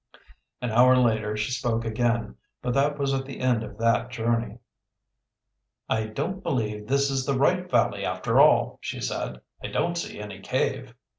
An hour later she spoke again, but that was at the end of that journey. "I don't believe this is the right valley after all," she said. "I don't see any cave."